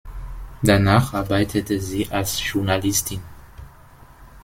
Danach arbeitete sie als Journalistin.